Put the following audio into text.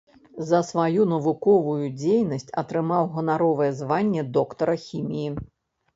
За сваю навуковую дзейнасць атрымаў ганаровае званне доктара хіміі.